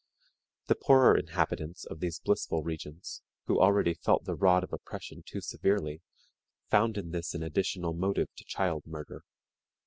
The poorer inhabitants of these blissful regions, who already felt the rod of oppression too severely, found in this an additional motive to child murder.